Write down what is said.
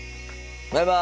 バイバイ。